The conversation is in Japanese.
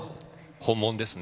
本物ですね。